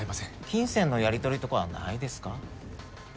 金銭のやり取りとかはないですか？